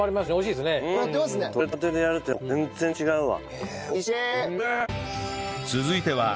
獲れたてでやるとやっぱ全然違うわ。